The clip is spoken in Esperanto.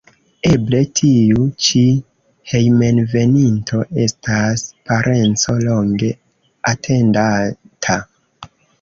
Eble tiu ĉi hejmenveninto estas parenco longe atendata.